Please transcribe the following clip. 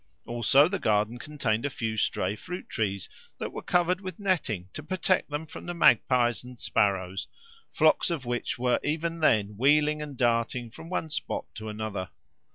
Also, the garden contained a few stray fruit trees that were covered with netting to protect them from the magpies and sparrows; flocks of which were even then wheeling and darting from one spot to another.